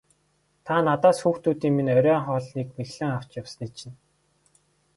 Та надаас хүүхдүүдийн минь оройн хоолыг мэхлэн аваад явсныг чинь.